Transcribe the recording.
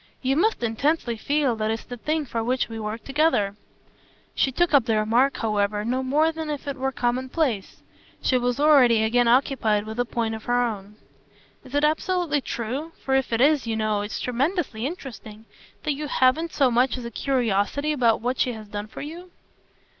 "You must intensely feel that it's the thing for which we worked together." She took up the remark, however, no more than if it were commonplace; she was already again occupied with a point of her own. "Is it absolutely true for if it is, you know, it's tremendously interesting that you haven't so much as a curiosity about what she has done for you?"